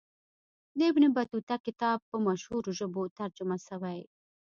د ابن بطوطه کتاب په مشهورو ژبو ترجمه سوی.